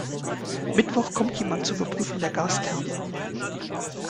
Mittwoch kommt jemand zur Überprüfung der Gastherme.